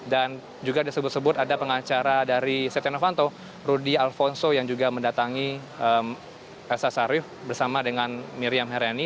dan juga disebut sebut ada pengacara dari setianovanto rudy alfonso yang juga mendatangi elsa syarif bersama dengan meriam haryani